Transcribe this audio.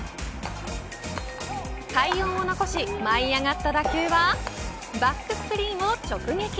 快音を残し舞い上がった打球はバックスクリーンを直撃。